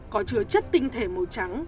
có chứa chất tinh thể màu trắng